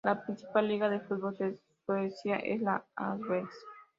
La principal liga de fútbol de Suecia es la Allsvenskan.